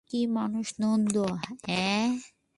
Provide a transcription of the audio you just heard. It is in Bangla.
কী মানুষ নন্দ, অ্যাঁ?